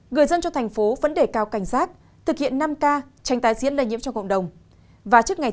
người dân trong thành phố vẫn để cao cảnh giác thực hiện năm ca tránh tái diễn lây nhiễm cho cộng đồng